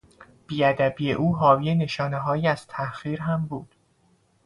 بیادبی او حاوی نشانههایی از تحقیر هم بود.